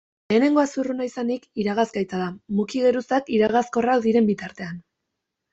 Lehenengoa zurruna izanik, iragazgaitza da, muki-geruzak iragazkorrak diren bitartean.